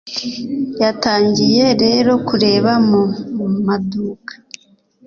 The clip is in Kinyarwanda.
yatangiye rero kureba mu maduka